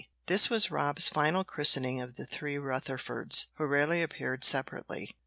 This was Rob's final christening of the three Rutherfords, who rarely appeared separately.